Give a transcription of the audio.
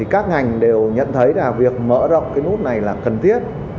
các ngành đều nhận thấy là việc mở rộng cái nút này là cần thiết